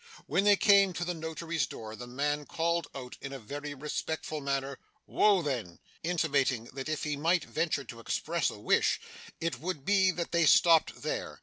When they came to the notary's door, the man called out in a very respectful manner, 'Woa then' intimating that if he might venture to express a wish, it would be that they stopped there.